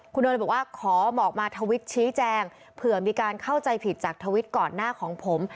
คุณโอเลยบอกว่าขอบอกมาทวิตชี้แจงเผื่อมีการเข้าใจผิดจากทวิตก่อนหน้าของผม